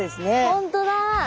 本当だ。